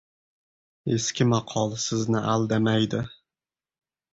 • Eski maqol sizni aldamaydi.